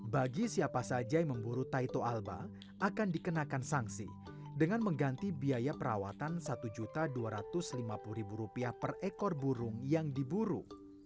bagi siapa saja yang memburu taito alba akan dikenakan sanksi dengan mengganti biaya perawatan rp satu dua ratus lima puluh per ekor burung yang diburu